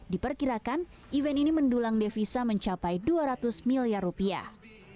diperkirakan event ini mendulang devisa mencapai dua ratus miliar rupiah